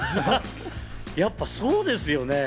やっぱそうですよね。